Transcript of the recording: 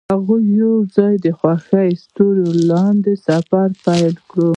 هغوی یوځای د خوښ ستوري له لارې سفر پیل کړ.